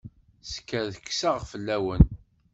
Skerkseɣ fell-awen.